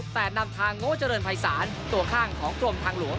แต่นำทางโง่เจริญภัยศาลตัวข้างของกรมทางหลวง